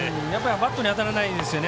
バットに当たらないですね。